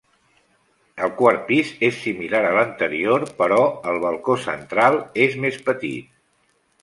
El quart pis és similar a l'anterior però el balcó central és més petit.